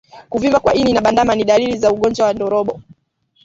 Kuvimba kwa ini na bandama ni dalili za ugonjwa wa ndorobo